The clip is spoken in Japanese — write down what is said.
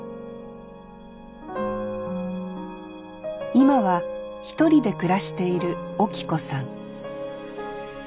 今は一人で暮らしているオキ子さん